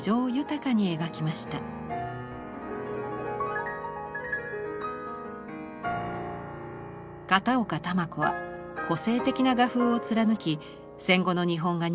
片岡球子は個性的な画風を貫き戦後の日本画に新境地を開きます。